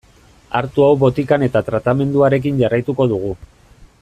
Hartu hau botikan eta tratamenduarekin jarraituko dugu.